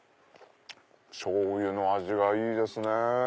しょうゆの味がいいですね！